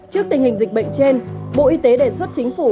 trước tình hình dịch bệnh trên bộ y tế đề xuất chính phủ